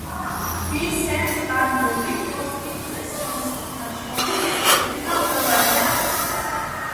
ვინსენტ ვან გოგი – პოსტიმპრესიონისტთა შორის ერთ-ერთმა ყველაზე